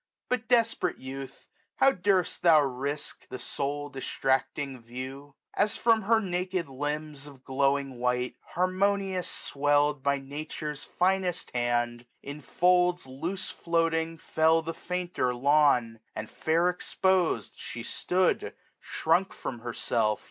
But, desperate youth. How durst thou risque the soul distracting view ? As from her naked limbs, of glowing white. Harmonious swell'd by Nature's finest hand, 13 15 In folds loose floating fell the fainter lawn ; .And feir exposM she stood, shrunk from herself.